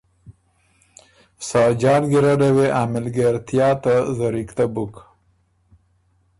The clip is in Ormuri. ساجان ګیرډه وې ا مِلګېریا ته زرِکته بُک